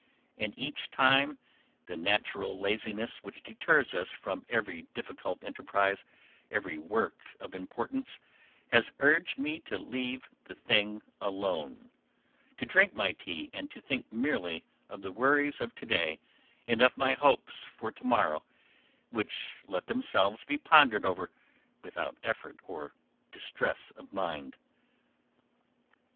And each time the natural laziness which deters us from every difficult enterprise, every work of importance, has urged me to leave the thing alone, to drink my tea and to think merely of the worries of to day and of my hopes for to morrow, which let themselves be pondered over without effort or distress of mind.